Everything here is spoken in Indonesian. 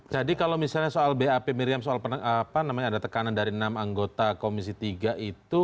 jadi kalau misalnya soal bap miriam soal apa namanya ada tekanan dari enam anggota komisi tiga itu